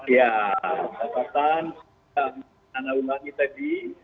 ya terdengar pak